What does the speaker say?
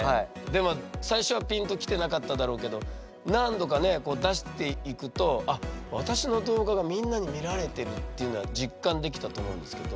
でも最初はピンと来てなかっただろうけど何度かね出していくとあっ私の動画がみんなに見られてるっていうのは実感できたと思うんですけど。